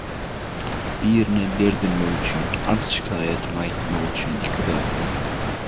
Birine derdinmek üçin, arz-şikaýatyňy aýtmak üçin iki zat möhüm.